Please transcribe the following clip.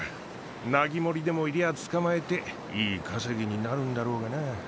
ナギモリでもいりゃあ捕まえていい稼ぎになるんだろうがな。